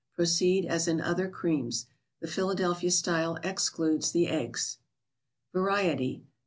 Proceed as in other creams. The Philadelphia style excludes the eggs. J&arieti?